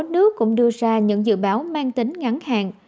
một số nước cũng đưa ra những dự báo mang tính ngắn hạn